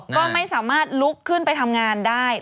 ก็ไม่สามารถลุกขึ้นไปทำงานได้